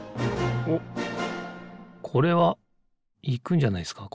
おっこれはいくんじゃないですか